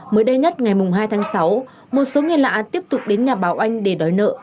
mới đây nhất ngày mùng hai tháng sáu một số người lạ tiếp tục đến nhà bà oanh để đòi nợ